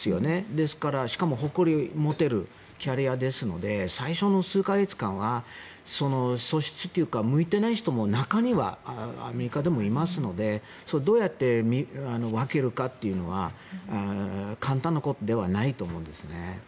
ですから、しかも誇りを持てるキャリアですので最初の数か月間は素質というか、向いてない人も中にはアメリカでもいますのでどうやって見分けるというかというのは簡単なことではないと思うんですね。